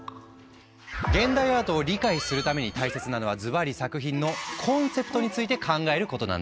現代アートを理解するために大切なのはズバリ作品の「コンセプト」について考えることなんです。